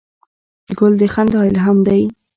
ګل د خندا الهام دی.